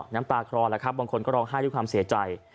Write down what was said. น้ำตาคลอแล้วครับบางคนก็ร้องไห้ด้วยความเสียใจ